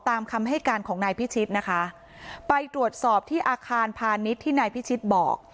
ตามคำให้การของนายพิชิตนะคะไปตรวจสอบที่อาคารพาณิชย์ที่นายพิชิตบอก